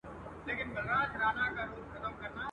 په غیرت او شجاعت مو نوم نښان وو.